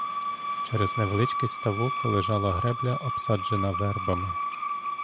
Через невеличкий ставок лежала гребля обсаджена вербами.